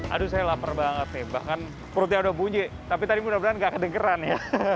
aduh saya lapar banget nih bahkan perutnya udah bunyi tapi tadi mudah mudahan gak kedengeran ya